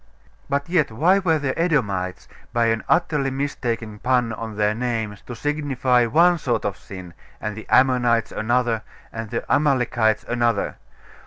But yet, why were the Edomites, by an utterly mistaken pun on their name, to signify one sort of sin, and the Ammonites another, and the Amalekites another?